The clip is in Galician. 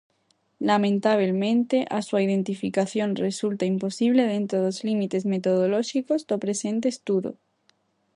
Lamentabelmente, a súa identificación resulta imposible dentro dos límites metodolóxicos do presente estudo.